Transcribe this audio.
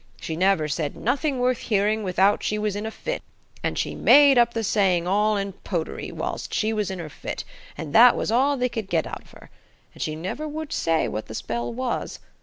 She never said nothing worth hearing without she was in a fit, and she made up the saying all in potery whilst she was in her fit, and that was all they could get out of her. And she never would say what the spell was.